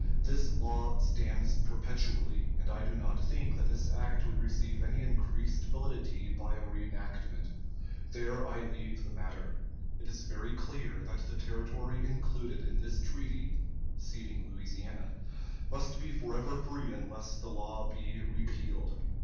"This law stands perpetually, and I do not think that this act would receive any increased validity by a reenactment. There I leave the matter. It is very clear that the territory included in this treaty [ceding Louisiana] must be forever free unless the law be repealed."